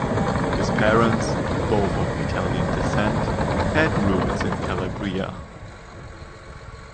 His parents, both of Italian descent, had roots in Calabria.